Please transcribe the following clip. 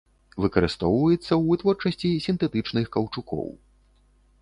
Выкарыстоўваецца ў вытворчасці сінтэтычных каўчукоў.